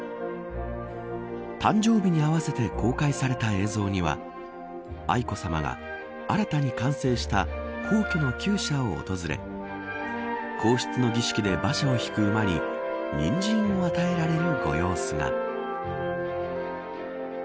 誕生日に合わせて公開された映像には愛子さまが新たに完成した皇居の厩舎を訪れ皇室の儀式で馬車を引く馬ににんじんを与えられるご様子が。